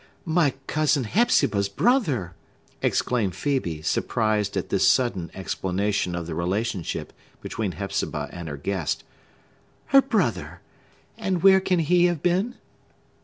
"My cousin Hepzibah's brother?" exclaimed Phœbe, surprised at this sudden explanation of the relationship between Hepzibah and her guest. "Her brother! And where can he have been?"